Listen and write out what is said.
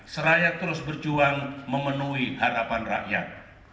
seraya terus berjuang memenuhi harapan rakyat